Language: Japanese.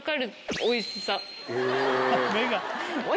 おいしい！